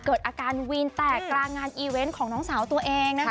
เกิดอาการวีนแตกกลางงานอีเวนต์ของน้องสาวตัวเองนะคะ